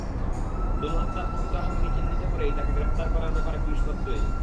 তনু হত্যার প্রকৃত আসামিকে চিহ্নিত করেই তাকে গ্রেপ্তার করার ব্যাপারে পুলিশ প্রত্যয়ী।